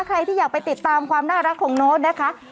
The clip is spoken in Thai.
ใครที่อยากไปติดตามความน่ารักของโน้ตนะคะ